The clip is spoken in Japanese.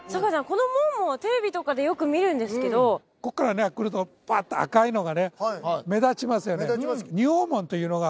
この門もテレビとかでよく見るんですけどこっから来るとパッと赤いのがね目立ちますよね